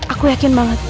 aku yakin banget